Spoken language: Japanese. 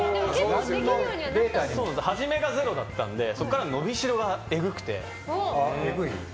初めがゼロだったのでそこから伸びしろがえぐくて。